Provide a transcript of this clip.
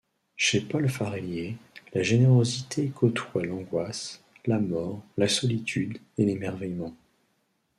Chez Paul Farellier, la générosité côtoie l’angoisse, la mort, la solitude et l’émerveillement.